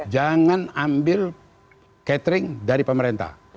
jangan ambil catering dari pemerintah